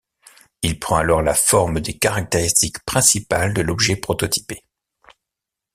Il prend alors la forme des caractéristiques principales de l'objet prototypé.